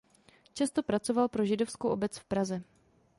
Často pracoval pro Židovskou obec v Praze.